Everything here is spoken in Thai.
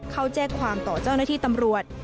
เขาแจ้งความต่อเจ้าหน้าที่ตำรวจ